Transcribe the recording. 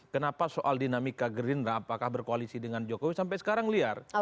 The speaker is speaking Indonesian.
kenapa soal dinamika gerindra apakah berkoalisi dengan jokowi sampai sekarang liar